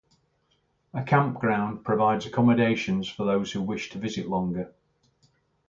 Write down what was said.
A campground provides accommodations for those who wish to visit longer.